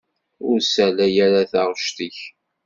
Ur ssalay ara taɣect-ik.